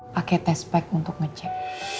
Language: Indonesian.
paket tespek untuk ngecek